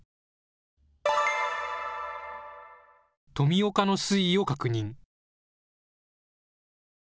富岡の水位を確認。